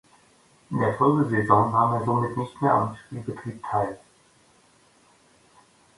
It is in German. In der Folgesaison nahm er somit nicht mehr am Spielbetrieb teil.